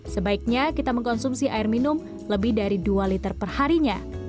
sebaiknya kita mengkonsumsi air minum lebih dari dua liter perharinya